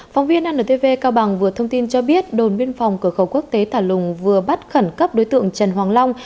phóng viên antv cao bằng vừa thông tin cho biết đồn biên phòng cửa khẩu quốc tế thả lùng vừa bắt khẩn cấp đối tượng trần hoàng long